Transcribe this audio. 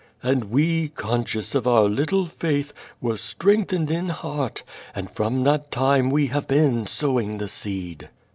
And we, conscious of our little faith, were strengthened in heart, and from that time we have been sow ing the seed.'